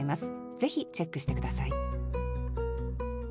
ぜひチェックして下さい